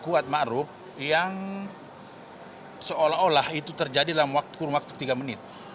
kuat ma'ruf yang seolah olah itu terjadi dalam kurun waktu tiga menit